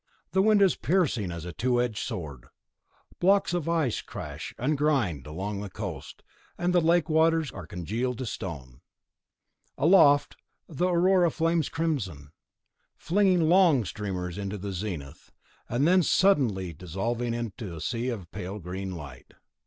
The wind is piercing as a two edged sword; blocks of ice crash and grind along the coast, and the lake waters are congealed to stone. Aloft, the Aurora flames crimson, flinging long streamers to the zenith, and then suddenly dissolving into a sea of pale green light.